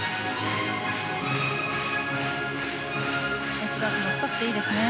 エッジワークも深くていいですね。